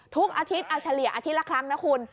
ทุกอาทิตย์เอาเฉลี่ยอาทิตย์ละครั้งนะคุณ